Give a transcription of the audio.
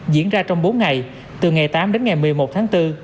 diễn ra trong bốn ngày từ ngày tám đến ngày một mươi một tháng bốn